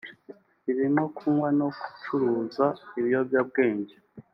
birimo kunywa no gucuruza ibiyobyabwenge